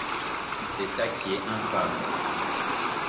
C’est ça qui est infâme!